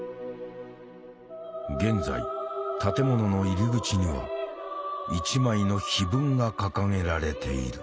現在建物の入り口には一枚の碑文が掲げられている。